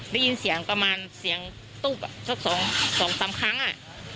ได้ยินเสียงประมาณเสียงตุ๊กสักสองสามครั้งอ่ะ